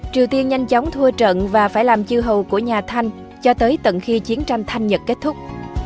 triều tiên nhanh chóng thua trận và phải làm chư hầu của nhà thanh cho tới tận khi chiến tranh thanh nhật kết thúc